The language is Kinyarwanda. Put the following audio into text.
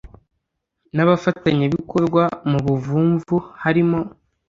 N abafatanyabikorwa mu buvumvu harimo